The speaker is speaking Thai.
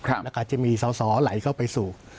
อาจจะมีสอไหลเข้าไปสู่